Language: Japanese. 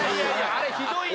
あれひどいな！